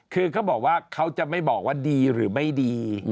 คือเขาบอกว่าเขาจะไม่บอกว่าดีหรือไม่ดี